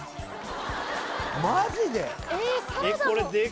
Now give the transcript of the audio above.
マジで！？